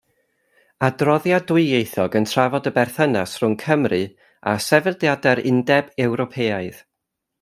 Adroddiad dwyieithog yn trafod y berthynas rhwng Cymru a sefydliadau'r Undeb Ewropeaidd.